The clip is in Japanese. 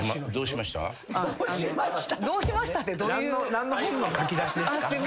何の本の書き出しですか？